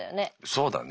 そうだね。